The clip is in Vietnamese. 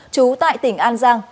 trú tại tỉnh an giang